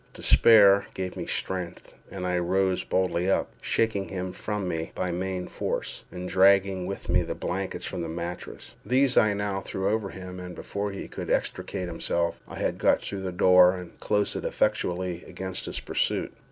Despair gave me strength, and I rose boldly up, shaking him from me by main force, and dragging with me the blankets from the mattress. These I now threw over him, and before he could extricate himself, I had got through the door and closed it effectually against his pursuit.